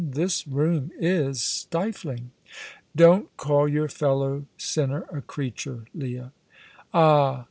This room is stifling." "Don't call your fellow sinner a creature, Leah." "Ah!